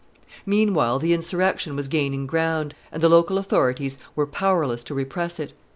Meanwhile the insurrection was gaining ground, and the local authorities were powerless to repress it.